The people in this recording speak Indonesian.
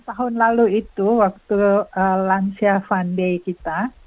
tahun lalu itu waktu lansia fundai kita